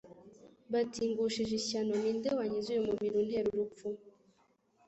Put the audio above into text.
bati: "Ngushije ishyano ni nde wankiza uyu mubiri untera urupfu.'-"